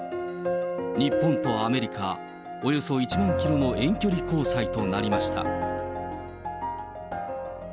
日本とアメリカ、およそ１万キロの遠距離交際となりました。